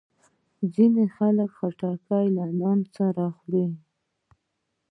ځینې خلک خټکی له نان سره خوري.